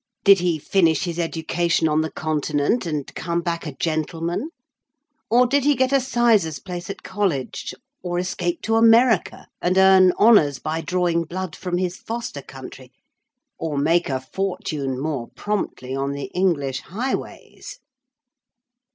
Did he finish his education on the Continent, and come back a gentleman? or did he get a sizar's place at college, or escape to America, and earn honours by drawing blood from his foster country? or make a fortune more promptly on the English highways?"